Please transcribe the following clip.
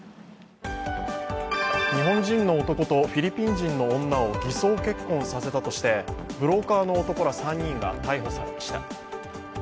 日本人の男とフィリピン人の女を偽装結婚させたとしてブローカーの男ら３人が逮捕されました。